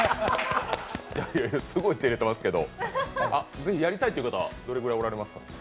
すごいてれてますけどぜひやりたいって方どれぐらいおられますか？